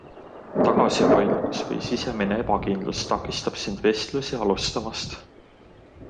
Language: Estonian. Tagasihoidlikkus või sisemine ebakindlus takistab sind vestlusi alustamast.